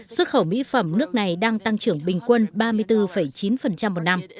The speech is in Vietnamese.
xuất khẩu mỹ phẩm nước này đang tăng trưởng bình quân ba mươi bốn chín một năm